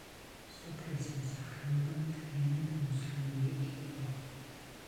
სოფლის მოსახლეობა მთლიანად მუსლიმური იყო.